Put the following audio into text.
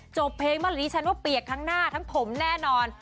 จบเพลงมะหลีฉันว่าเปียกทั้งหน้าทั้งถมแน่นอน